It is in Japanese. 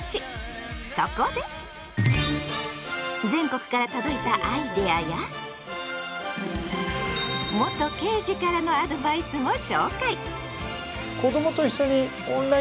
そこで全国から届いたアイデアや元刑事からのアドバイスも紹介。